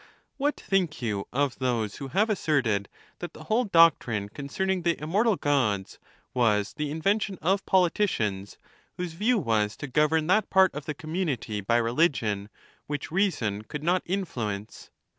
What think you of those who have asserted that the whole doctrine concerning the immortal Gods was the in vention of politicians, whose view was to govern that part of the community by religion which reason could not in fluence?